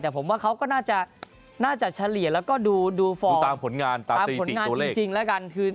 แต่ผมว่าเขาก็น่าจะเฉลี่ยแล้วก็ดูตามผลงานจริงแล้วกัน